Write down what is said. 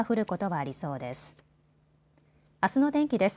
あすの天気です。